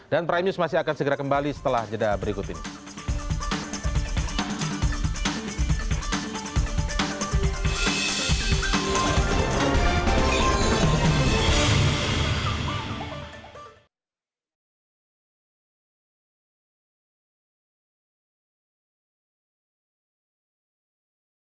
dan prime news masih akan segera kembali setelah jeda berikut ini